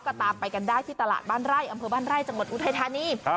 ก็ตามไปกันได้ที่ตลาดบ้านไร่อำเภอบ้านไร่จังหวัดอุทัยธานี